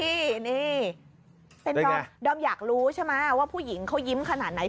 นี่เป็นดอมอยากรู้ใช่ไหมว่าผู้หญิงเขายิ้มขนาดไหน